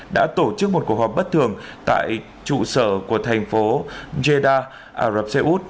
đã tổ chức một cuộc họp bất thường tại trụ sở của thành phố geda ả rập xê út